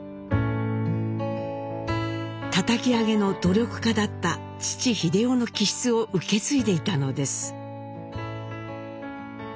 たたき上げの努力家だった父英夫の気質を受け継いでいたのです。